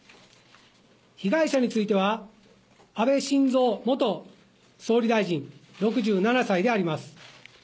被害者については、安倍晋三元総理大臣６７才であります。